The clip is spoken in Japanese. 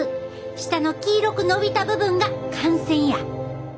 下の黄色く伸びた部分が汗腺や！